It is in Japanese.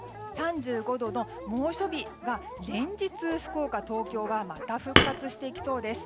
３５度の猛暑日が連日、福岡、東京はまた復活していきそうです。